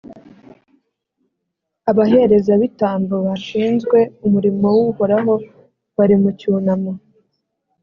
abaherezabitambo bashinzwe umurimo w’Uhoraho bari mu cyunamo.